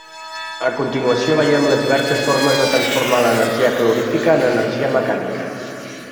A continuació veiem les diverses formes de transformar l'energia calorífica en energia mecànica.